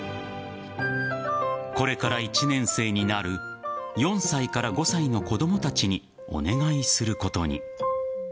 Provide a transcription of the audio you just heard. これから１年生になる４歳から５歳の子供たちにお願いすることに。